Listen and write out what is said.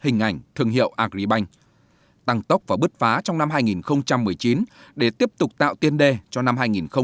hình ảnh thương hiệu agribank tăng tốc và bứt phá trong năm hai nghìn một mươi chín để tiếp tục tạo tiên đề cho năm hai nghìn hai mươi